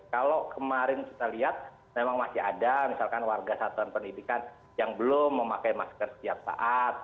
kalau kemarin kita lihat memang masih ada misalkan warga satuan pendidikan yang belum memakai masker setiap saat